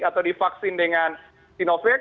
atau divaksin dengan sinovac